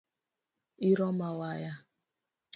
Iroma waya